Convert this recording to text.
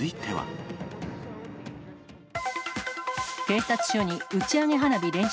警察署に打ち上げ花火連射。